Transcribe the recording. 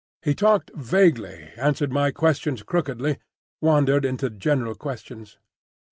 He talked vaguely, answered my questions crookedly, wandered into general questions.